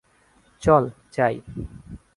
চল, চাই।